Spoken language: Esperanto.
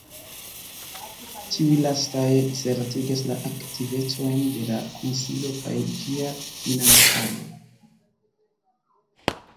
Tiuj lastaj certigas la aktivecojn de la konsilo kaj ĝia financado.